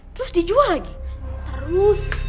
pergi pergi pergi